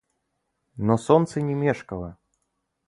Но солнце не мешкало.